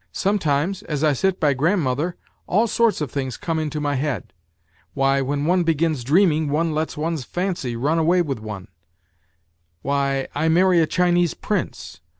Sometimes, as I sit by grandmother, all sorts of things come into my head. Why, when one begins dreaming one lets one's fancy run away with one why, I marry a Chinese Prince